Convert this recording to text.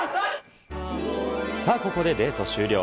さあ、ここでデート終了。